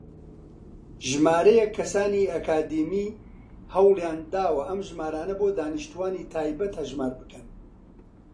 ژمارەیەک کەسانی ئەکادیمی هەوڵیانداوە ئەم ژمارانە بۆ دانیشتووانی تایبەت هەژمار بکەن.